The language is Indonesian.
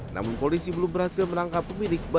namun polisi belum berhasil menangkap pemiliknya